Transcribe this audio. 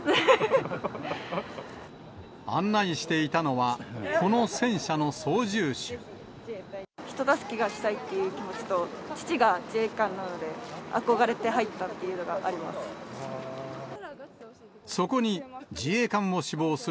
案内していたのは、人助けがしたいって気持ちと、父が自衛官なので憧れて入ったっていうのがあります。